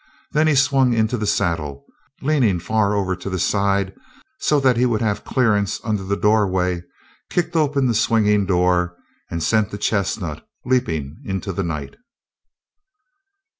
Then he swung into the saddle, leaning far over to the side so that he would have clearance under the doorway, kicked open the swinging door, and sent the chestnut leaping into the night.